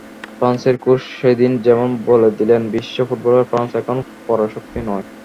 ফ্রান্সের কোচ সেদিন যেমন বলে দিলেন, বিশ্ব ফুটবলে ফ্রান্স এখন পরাশক্তি নয়।